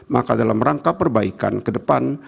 maka dalam rangka perbaikan ke depan